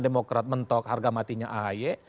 demokraat mentok harga matinya ahe